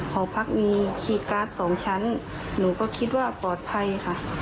หอพักมีคีย์การ์ดสองชั้นหนูก็คิดว่าปลอดภัยค่ะ